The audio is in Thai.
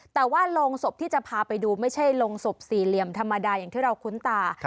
แต่ว่าโรงศพที่จะพาไปดูไม่ใช่โรงศพสี่เหลี่ยมธรรมดาอย่างที่เราคุ้นตา